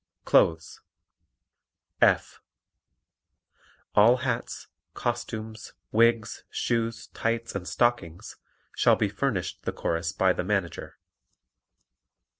Clothes F. All hats, costumes, wigs, shoes, tights and stockings shall be furnished the Chorus by the Manager.